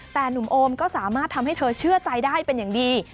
แต่หนุ่มโอมก็สามารถทำให้เธอเชื่อใจได้เป็นอย่างดี